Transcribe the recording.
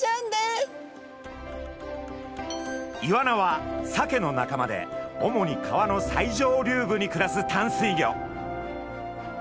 イワナはサケの仲間で主に川の最上流部に暮らす淡水魚。